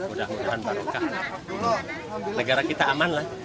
mudah mudahan barokah negara kita aman lah